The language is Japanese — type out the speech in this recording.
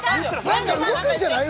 何か動くんじゃない？